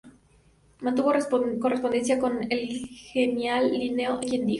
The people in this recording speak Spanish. Mantuvo correspondencia con el genial Linneo quien dijo